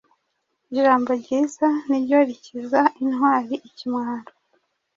Ijambo ryiza niryo rikiza intwari ikimwaro